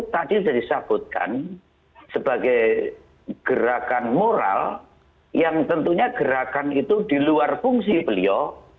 tadi sudah disebutkan sebagai gerakan moral yang tentunya gerakan itu di luar fungsi beliau